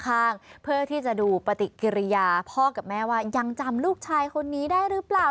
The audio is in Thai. เพื่อที่จะดูปฏิกิริยาพ่อกับแม่ว่ายังจำลูกชายคนนี้ได้หรือเปล่า